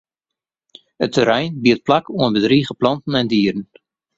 It terrein biedt plak oan bedrige planten en dieren.